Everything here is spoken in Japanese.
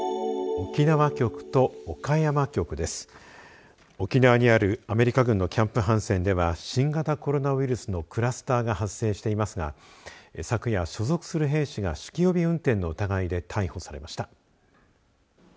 沖縄にあるアメリカ軍のキャンプハンセンでは新型コロナウイルスのクラスターが発生していますが昨夜、所属する兵士が酒気帯び運転の疑いで逮捕されました。